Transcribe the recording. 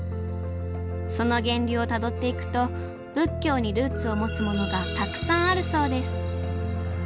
その源流をたどっていくと仏教にルーツを持つものがたくさんあるそうです。